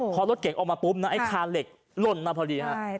พอรถเก๋งออกมาปุ๊บนะไอ้คาเหล็กหล่นมาพอดีฮะ